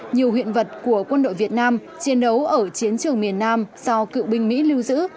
nhiều hiện vật của quân đội việt nam chiến đấu ở chiến trường miền nam do cựu binh mỹ lưu giữ